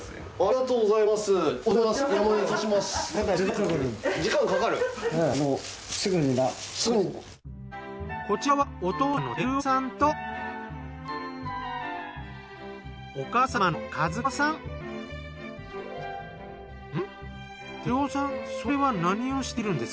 ありがとうございます。